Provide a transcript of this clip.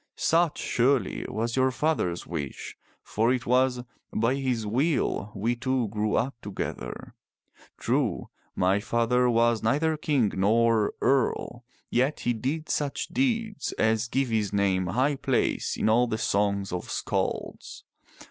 Such, surely, was your father's wish, for it was by his will we two grew up together. True, my father was neither king nor earl, yet he did such deeds as give his name high place in all the songs of skalds.